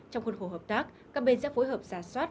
trong khuôn khổ hợp tác các bên sẽ phối hợp giả soát